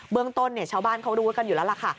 เรื่องต้นชาวบ้านเขารู้กันอยู่แล้วล่ะค่ะ